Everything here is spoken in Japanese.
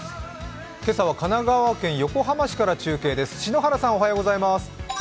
今朝は神奈川県横浜市から中継です。